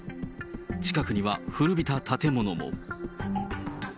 近くには古びた建物も。